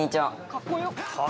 かっこよ。